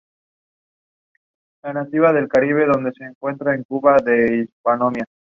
Estos hechos le permitieron vivir de las rentas y dedicarse a la literatura.